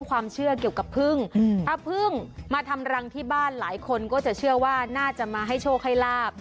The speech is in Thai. ความเชื่อเกี่ยวกับพึ่งถ้าพึ่งมาทำรังที่บ้านหลายคนก็จะเชื่อว่าน่าจะมาให้โชคให้ลาบ